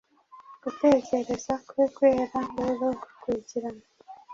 Gutekereza kwe kwera rero gukurikirana